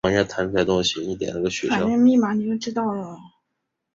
自太平洋战争开战初期就开始参加战斗。